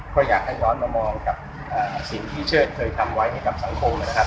ก็อยากให้ย้อนมามองกับสิ่งที่เชิดเคยทำไว้ให้กับสังคมนะครับ